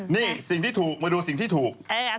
นี่สิ่งที่ถูกมาดูสิ่งที่ถูก